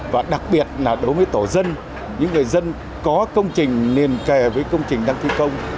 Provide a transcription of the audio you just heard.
và đặc biệt là đối với tổ dân những người dân có công trình liền kề với công trình đang thi công